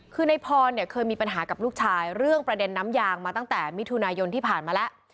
คือในพรเนี่ยเคยมีปัญหากับลูกชายเรื่องประเด็นน้ำยางมาตั้งแต่มิถุนายนที่ผ่านมาแล้ว